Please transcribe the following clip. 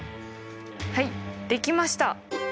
はいできました！